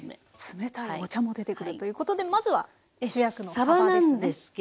冷たいお茶も出てくるということでまずは主役のさばですね。